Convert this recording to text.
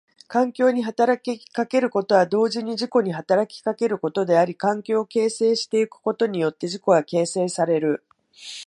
環境に働きかけることは同時に自己に働きかけることであり、環境を形成してゆくことによって自己は形成される。